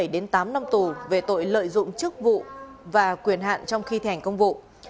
bảy đến tám năm tù về tội lợi dụng chức vụ và quyền hạn trong khi thành công vụ